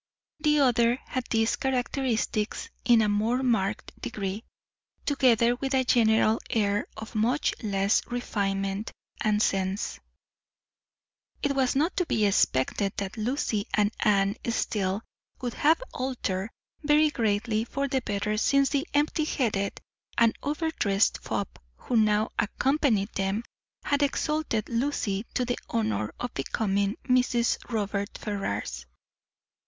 The other had these characteristics in a more marked degree, together with a general air of much less refinement and sense. It was not to be expected that Lucy and Anne Steele would have altered very greatly for the better since the empty headed and overdressed fop who now accompanied them had exalted Lucy to the honour of becoming Mrs. Robert Ferrars.